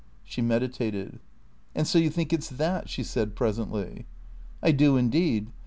She meditated. "And so you think it's that?" she said presently. "I do indeed.